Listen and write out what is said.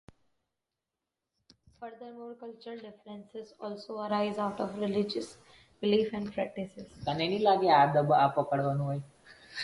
Furthermore, cultural differences also arise out of religious beliefs and practices.